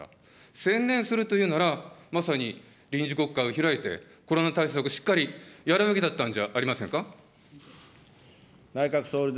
専念するというなら、まさに臨時国会を開いて、コロナ対策、しっかりやるべきだったんじゃありませんか。